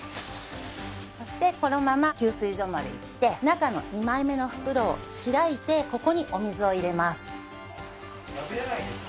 そしてこのまま給水所まで行って中の２枚目の袋を開いてここにお水を入れます。